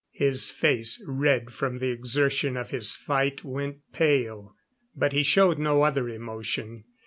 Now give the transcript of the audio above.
His face, red from the exertion of his fight, went pale. But he showed no other emotion.